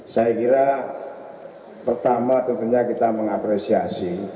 saya kira pertama tentunya kita mengapresiasi